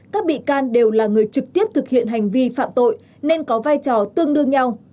các bị can đều là người trực tiếp thực hiện hành vi phạm tội nên có vai trò tương đương nhau